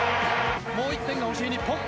もう１点が欲しい日本。